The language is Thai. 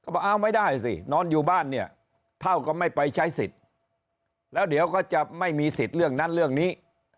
บอกเอาไม่ได้สินอนอยู่บ้านเนี่ยเท่ากับไม่ไปใช้สิทธิ์แล้วเดี๋ยวก็จะไม่มีสิทธิ์เรื่องนั้นเรื่องนี้